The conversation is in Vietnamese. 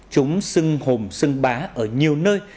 chúng xưng hồn xưng bá ở nhiều nơi